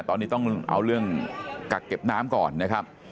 ตอนนี้ต้องเอาเรื่องกักเก็บน้ำก่อนนะครับ